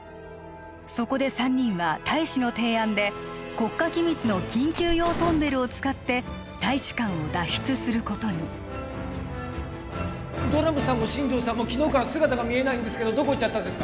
そこで三人は大使の提案で国家機密の緊急用トンネルを使って大使館を脱出することにドラムさんも新庄さんも昨日から姿が見えないんですけどどこ行っちゃったんですか？